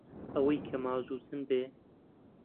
ئەوەی کە مازوو چن بێ